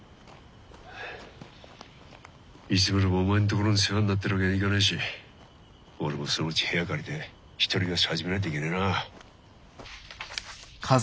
いつまでもお前んところに世話になってるわけにはいかないし俺もそのうち部屋借りて一人暮らし始めないといけねえな。